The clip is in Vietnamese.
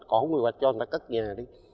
còn không quy hoạch cho người ta cất nhà đi